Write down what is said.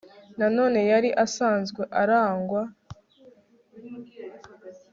nanone yari asanzwe arangwa